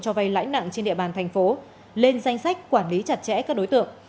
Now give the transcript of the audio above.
cho vay lãi nặng trên địa bàn thành phố lên danh sách quản lý chặt chẽ các đối tượng